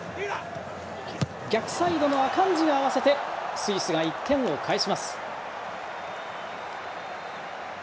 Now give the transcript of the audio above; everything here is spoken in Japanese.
逆サイドのアカンジに合わせてスイスが１点を返します。